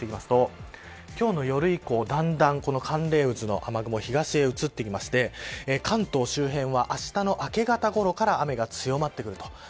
今日の夜以降、だんだん寒冷渦の雨雲東に移ってきまして関東周辺はあしたの明け方ごろから雨が強まってくると。